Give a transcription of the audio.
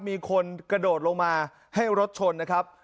มีคนกระโดดลงมาให้รถชนนะครับ